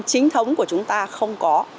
chính thống của chúng ta không có